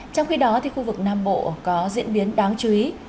trong khi đó khu vực nam bộ có diễn biến đáng chú ý